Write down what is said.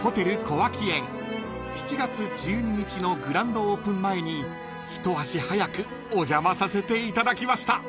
［７月１２日のグランドオープン前に一足早くお邪魔させていただきました］